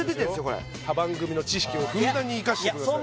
これ他番組の知識をふんだんに生かしてくださいいや